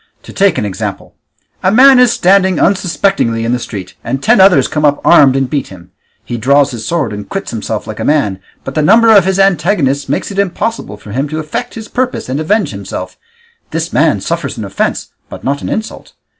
To take an example: a man is standing unsuspectingly in the street and ten others come up armed and beat him; he draws his sword and quits himself like a man, but the number of his antagonists makes it impossible for him to effect his purpose and avenge himself; this man suffers an offence but not an insult.